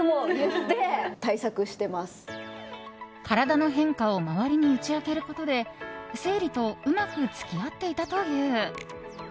体の変化を周りに打ち明けることで生理とうまく付き合っていたという。